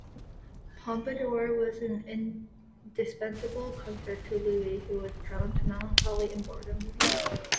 Pompadour was an indispensable comfort to Louis who was prone to melancholy and boredom.